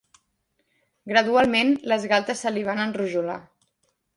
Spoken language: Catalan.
Gradualment, les galtes se li van enrojolar.